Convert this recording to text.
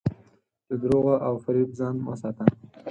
له دروغو او فریب ځان وساته.